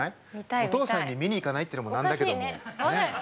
お父さんに見に行かないってのもおかしいけどね。